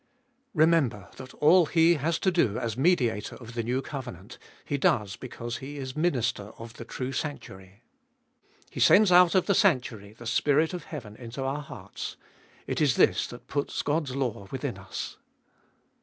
3. Remember that all He has to do as Mediator of the new covenant, He does because He is Minister of the true sanctuary. He sends out of the sanctuary the Spirit of heaven into our hearts —it is this that puts Qod's law within us.